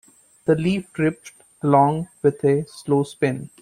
The leaf drifts along with a slow spin.